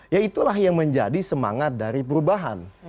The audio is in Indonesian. ya itulah yang menjadi semangat dari perubahan